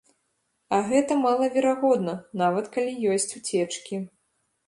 А гэта малаверагодна, нават калі ёсць уцечкі.